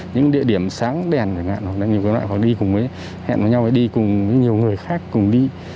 những địa điểm sáng đèn hẹn với nhau đi cùng nhiều người khác cùng đi